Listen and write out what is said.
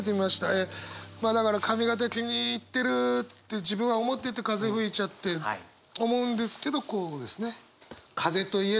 えまあだから髪形気に入ってるって自分は思ってて風吹いちゃって思うんですけどこうですね。